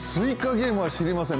ゲームは知りません。